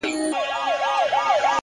نظم وخت سپموي.!